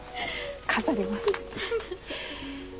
飾ります。